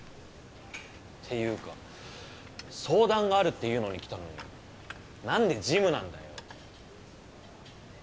っていうか相談があるっていうのに来たのに何でジムなんだよ？